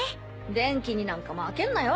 デンキになんか負けんなよ。